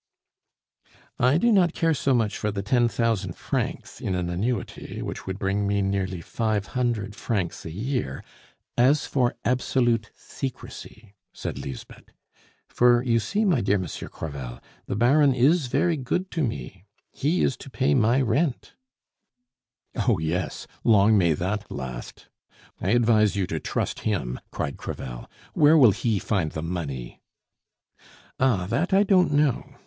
"I do not care so much for the ten thousand francs in an annuity, which would bring me nearly five hundred francs a year, as for absolute secrecy," said Lisbeth. "For, you see, my dear Monsieur Crevel, the Baron is very good to me; he is to pay my rent " "Oh yes, long may that last! I advise you to trust him," cried Crevel. "Where will he find the money?" "Ah, that I don't know.